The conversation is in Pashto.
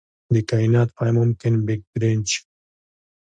د کائنات پای ممکن بیګ کرنچ وي.